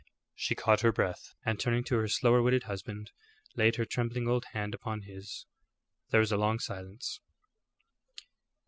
She caught her breath, and turning to her slower witted husband, laid her trembling old hand upon his. There was a long silence.